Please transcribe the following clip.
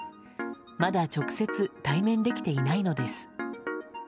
まだ直接対面できていないのです。